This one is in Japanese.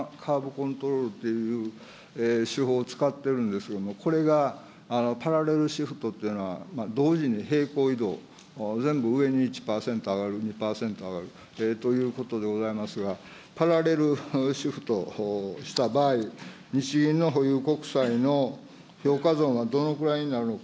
こういうイールドカーブコントロールっていう手法を使ってるんですが、これがパラレルシフトっていうのは同時に平行移動、全部上に上がるということでございますが、パラレルシフトした場合、日銀の保有国債の評価損がどのぐらいになるのか。